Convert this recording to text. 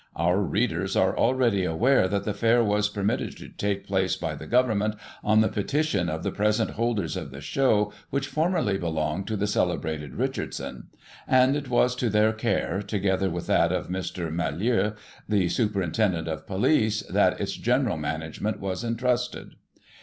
Our readers are already aware that the Fair was permitted to take place by the Government, on the petition of the present holders of the show which formerly belonged to the celebrated Richardson ; and it was to their care, together with that of Mr. Mallalieu, the Superin tendent of Police, that its general management was entrusted.